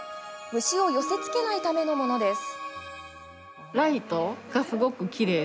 虫を寄せつけないためのものです。